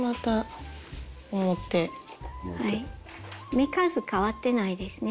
目数変わってないですね